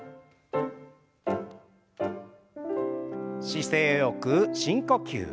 姿勢よく深呼吸。